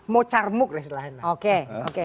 mau carmuk lah setelah ini